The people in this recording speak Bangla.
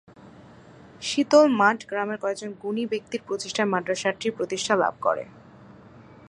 শীতল মাঠ গ্রামের কয়েক জন গুণী ব্যক্তির প্রচেষ্টায় মাদ্রাসাটি প্রতিষ্ঠা লাভ করে।